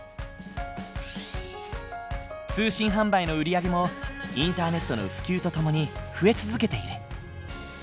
通信販売の売り上げもインターネットの普及とともに増え続けている。